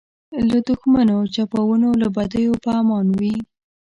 له دښمنو چپاوونو له بدیو په امان وي.